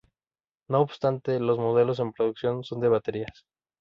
No obstante, los modelos en producción son de baterías.